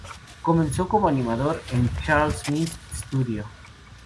Comenzó como animador en Charles Mintz studio.